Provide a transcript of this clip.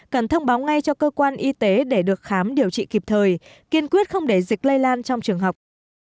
cần thông báo ngay cho cơ quan y tế để được khám điều trị kịp thời kiên quyết không để dịch lây lan trong trường học